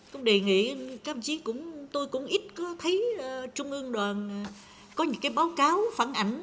tôi đề nghị các bác sĩ tôi cũng ít có thấy trung ương đoàn có những báo cáo phản ảnh